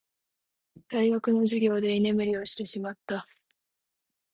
大学の授業で居眠りをしてしまった。